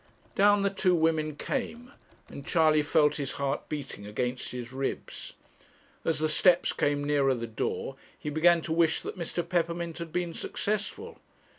Down the two women came, and Charley felt his heart beating against his ribs. As the steps came nearer the door, he began to wish that Mr. Peppermint had been successful.